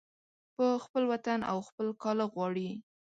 په خپل وطن او خپل کاله غواړي